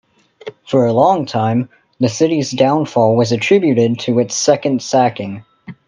For a long time, the city's downfall was attributed to its second sacking.